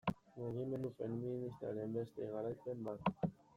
Mugimendu feministaren beste garaipen bat.